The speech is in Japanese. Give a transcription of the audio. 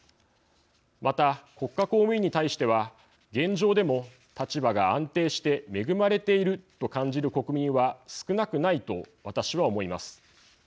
また、国家公務員に対しては現状でも、立場が安定して恵まれていると感じる国民は少なくないと、私は思います。